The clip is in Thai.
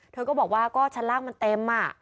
เธอก็บอกว่าก็ชั้นล่างมันเต็มอ่ะ